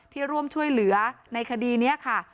ร่วมช่วยเหลือในคดีนี้ค่ะ